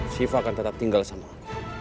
sifah akan tetap tinggal sama aku